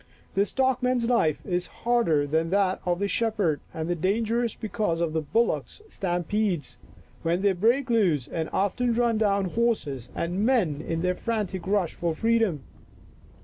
The stockman's life is harder than that of the shepherd, and danger ous because of the bullocks' stampedes, when they break loose and often run down horses and men in their frantic rush for freedom."